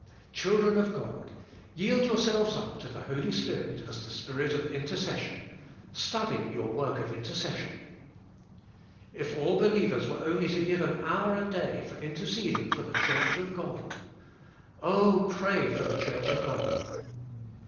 Children of God! yield yourselves up to the Holy Spirit as the Spirit of intercession; study your work of intercession. If all believers were only to g ive an hour a day for interceeding for the church of God! Oh, Pray for the church of God.